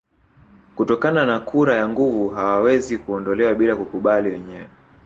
Kutokana na kura ya nguvu hawawezi kuondolewa bila kukubali wenyewe